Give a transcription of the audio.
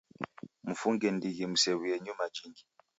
Mfunge ndighi msew'uye nyuma jingi